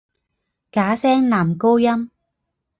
假声男高音。